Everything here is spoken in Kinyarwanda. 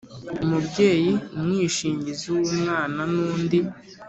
Umubyeyi umwishingizi w umwana n undi